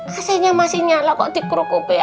ac nya masih nyala kok di krokopai